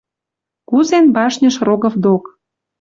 Кузен башньыш Рогов док...